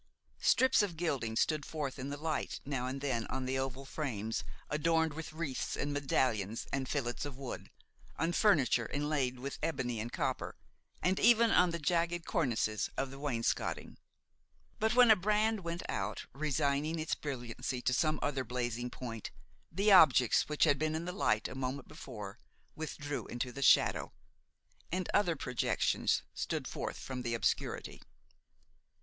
Strips of gilding stood forth in the light now and then on the oval frames, adorned with wreaths and medallions and fillets of wood, on furniture, inlaid with ebony and copper, and even on the jagged cornices of the wainscoting. But when a brand went out, resigning its brilliancy to some other blazing point, the objects which had been in the light a moment before withdrew into the shadow, and other projections stood forth from the obscurity.